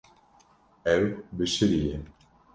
Ew bişiriye.